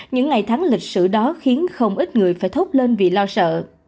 những ngày tháng lịch sử đó khiến không ít người phải thốt lên vì lo sợ